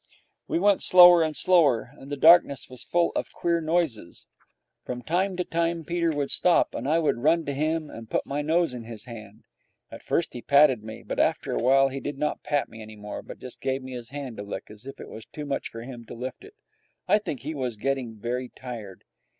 We went slower and slower, and the darkness was full of queer noises. From time to time Peter would stop, and I would run to him and put my nose in his hand. At first he patted me, but after a while he did not pat me any more, but just gave me his hand to lick, as if it was too much for him to lift it. I think he was getting very tired.